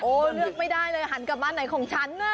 เลือกไม่ได้เลยหันกลับบ้านไหนของฉันน่ะ